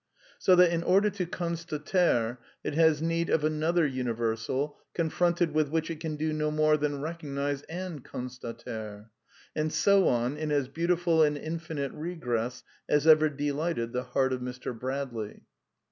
So that, in order to constater, it has need of another uni A versal, confronted with which it can do no more than recognize and constater; and so on, in as beautiful an I infinite regress as ever delighted the heart of Mr. Bradley.